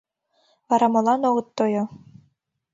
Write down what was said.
— Вара молан огыт тойо?